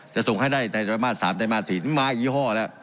จะส่งให้ได้ในประมาณ๓๔นี้มีมาอีกยี่ห้อแล้ว